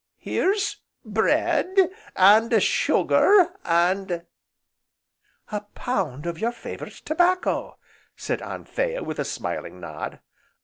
Here's bread, and sugar, and " "A pound of your favourite tobacco!" said Anthea, with a smiling nod.